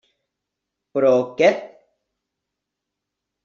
Però, què?